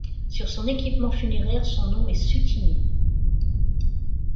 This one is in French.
Sur son équipement funéraire, son nom est Sutiy.